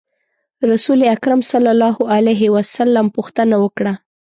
رسول اکرم صلی الله علیه وسلم پوښتنه وکړه.